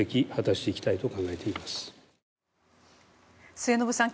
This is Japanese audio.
末延さん